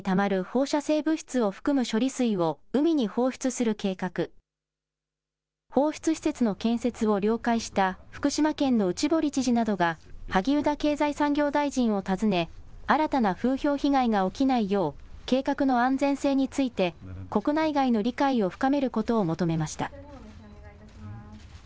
放出施設の建設を了解した福島県の内堀知事などが萩生田経済産業大臣を訪ね新たな風評被害が起きないよう計画の安全性について国内外の理解を深めることを求めました。